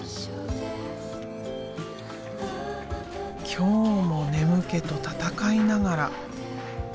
今日も眠気と闘いながら。